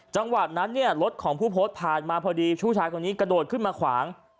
จังหวะนั้นเนี่ยรถของผู้โพสต์ผ่านมาพอดีผู้ชายคนนี้กระโดดขึ้นมาขวาง